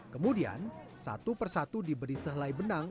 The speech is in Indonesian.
kemudian satu persatu diberi sehelai benang